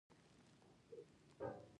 د موبایل ټچ مې ځنډ لري.